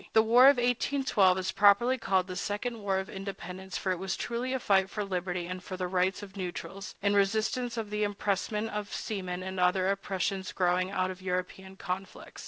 The war of 1812 is properly called the Second War of Independence, for it was truly a fight for liberty and for the rights of neutrals, in resistance to the impressment of seamen and other oppressions growing out of European conflicts.